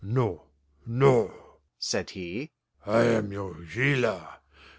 "No, no," said he, "I am your jailer.